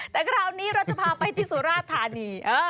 แต่คราวนี้เราจะพาไปที่สุราธานี